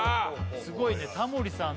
すごいねタモリさん